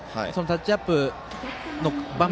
タッチアップの場面